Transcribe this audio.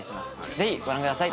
ぜひご覧ください。